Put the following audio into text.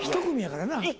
１組やからな。